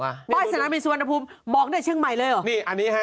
กล้ายสนามีสุวรรณภูมิบอกเนี่ยเชียงใหม่เลยเหรอ